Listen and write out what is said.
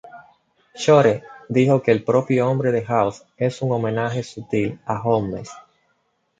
Shore dijo que el propio nombre de House es "un homenaje sutil" a Holmes.